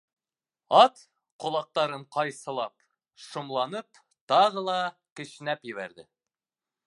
Ат, ҡолаҡтарын ҡайсылап, шомланып тағы ла кешнәп ебәрҙе.